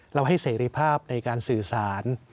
ให้เสรีภาพในการสื่อสาร